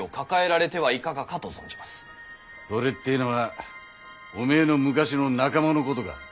それってえのはおめえの昔の仲間のことか？